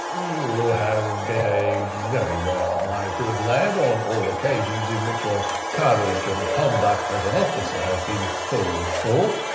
"You have behaved very well, my good lad, on all occasions in which your courage and conduct, as an officer, have been called forth.